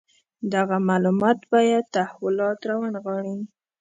دغه معلومات باید تحولات راونغاړي.